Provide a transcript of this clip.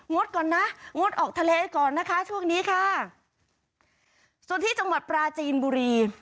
ดก่อนนะงดออกทะเลก่อนนะคะช่วงนี้ค่ะส่วนที่จังหวัดปราจีนบุรี